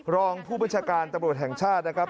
รองผู้บัญชาการตำรวจแห่งชาตินะครับ